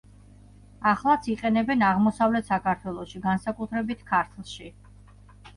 ახლაც იყენებენ აღმოსავლეთ საქართველოში, განსაკუთრებით ქართლში.